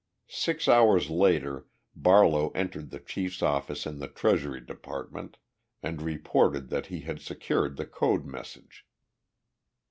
Six hours later Barlow entered the chief's office in the Treasury Department and reported that he had secured the code message.